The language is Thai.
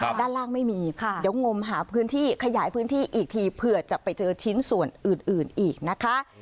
ด้านล่างไม่มีค่ะเดี๋ยวงมหาพื้นที่ขยายพื้นที่อีกทีเผื่อจะไปเจอชิ้นส่วนอื่นอื่นอีกนะคะ